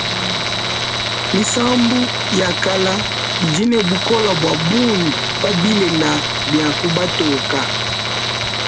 Misambu ya kala idi ne bukola bua bungi pa bilela bia ku batoka.